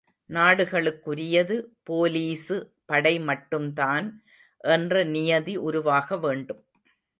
நாடுகளுக்குரியது, police படை மட்டும்தான் என்ற நியதி உருவாக வேண்டும்.